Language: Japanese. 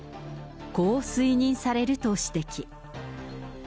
こう推認されると指摘。